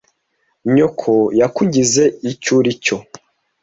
Nyoko yakugize icyo uri cyo.